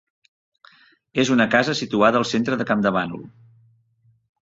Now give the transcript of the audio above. És una casa situada al centre de Campdevànol.